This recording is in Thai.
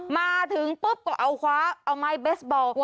มาถึงปุ๊บก็เอาคว้าเอาไม้เบสบอล